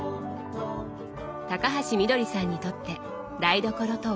高橋みどりさんにとって台所とは？